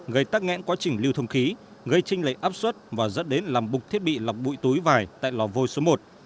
gây tắc nghẽn quá trình lưu thông khí gây trinh lệ áp suất và dắt đến làm bục thiết bị lọc bụi túi vải tại lò vôi số một